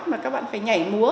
mà các bạn phải nhảy múa